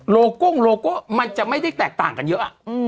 โก้งโลโก้มันจะไม่ได้แตกต่างกันเยอะ